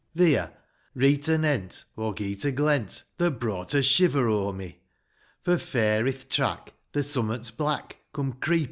IV. Theer, reet anent, aw geet a glent' That brought a shiver o'er me, For, fair i'th track ther summat black Coom creep!